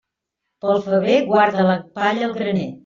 Pel febrer, guarda la palla al graner.